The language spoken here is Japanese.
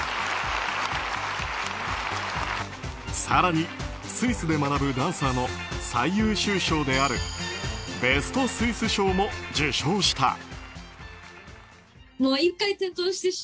更に、スイスで学ぶダンサーの最優秀賞であるベスト・スイス賞も受賞した。